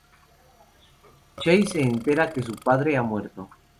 Chase se entera que su padre ha muerto.